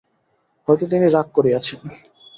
হয়তো তিনি রাগ করিয়াছেন।